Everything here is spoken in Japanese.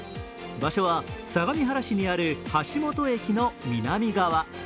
場所は相模原市にある橋本駅の南側。